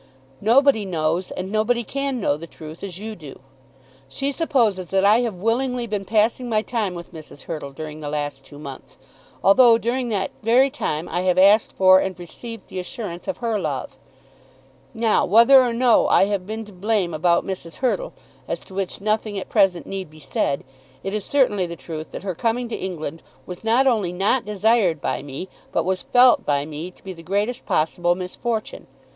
Nobody knows and nobody can know the truth as you do. She supposes that I have willingly been passing my time with Mrs. Hurtle during the last two months, although during that very time I have asked for and have received the assurance of her love. Now, whether or no I have been to blame about Mrs. Hurtle, as to which nothing at present need be said, it is certainly the truth that her coming to England was not only not desired by me, but was felt by me to be the greatest possible misfortune.